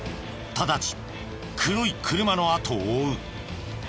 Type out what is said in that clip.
直ちに黒い車の後を追う。